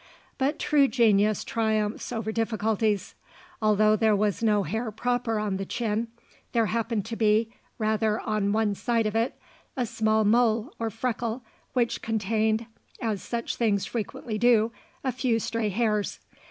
But true genius triumphs over difficulties. Although there was no hair proper on the chin; there happened to be, rather on one side of it, a small mole or freckle which contained (as such things frequently do) a few stray hairs.